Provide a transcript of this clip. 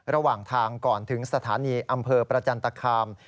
ระหว่างทางก่อนถึงสถานีอำเภอประจันตคาม